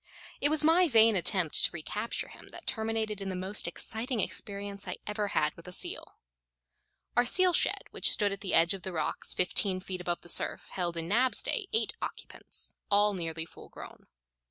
It was my vain attempt to recapture him that terminated in the most exciting experience I ever had with a seal. Our seal shed, which stood at the edge of the rocks fifteen feet above the surf, held in Nab's day eight occupants, all nearly full grown.